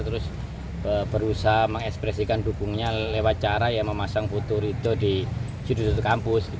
terus berusaha mengekspresikan dukungnya lewat cara ya memasang foto rito di judul judul kampus